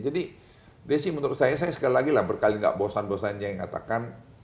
jadi menurut saya saya sekali lagi lah berkali nggak bosan bosannya yang katakan